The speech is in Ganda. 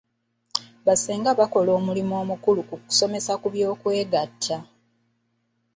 Ba ssengabakola omulimu omukulu mu kusomesa ku by'okwegatta.